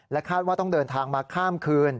คาดว่าต้องเดินทางมาข้ามคืน